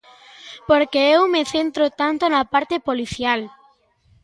Por que eu me centro tanto na parte policial?